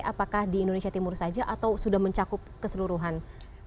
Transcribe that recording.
apakah di indonesia timur saja atau sudah mencakup keseluruhan tiga puluh empat provinsinya